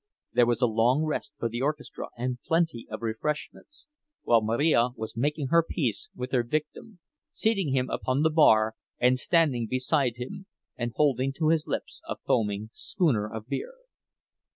There was a long rest for the orchestra, and plenty of refreshments, while Marija was making her peace with her victim, seating him upon the bar, and standing beside him and holding to his lips a foaming schooner of beer.